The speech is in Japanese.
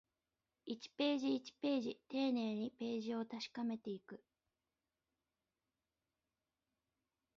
一ページ、一ページ、丁寧にページを確かめていく